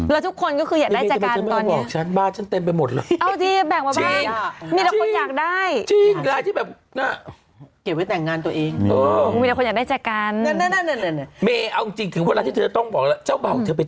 แล้วทุกคนก็คืออยากได้แจกันตอนนี้